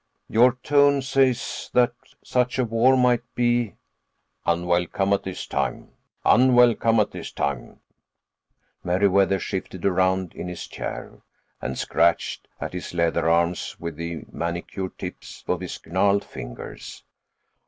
"Your tone says that such a war might be—" "Unwelcome at this time. Unwelcome at this time." Meriwether shifted around in his chair, and scratched at its leather arms with the manicured tips of his gnarled fingers.